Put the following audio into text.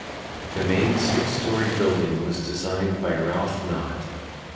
The main six storey building was designed by Ralph Knott.